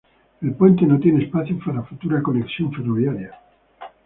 El puente no tiene espacio para futura conexión ferroviaria.